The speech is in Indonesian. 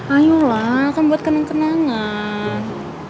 ayolah akan buat kenang kenangan